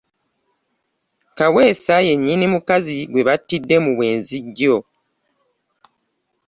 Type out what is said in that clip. Kaweesa ye nnyini mukazi gwe battidde mu bwenzi jjo.